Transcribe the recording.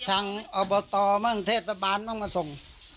ทางอบตมั่งเทศบาลต้องมาส่ง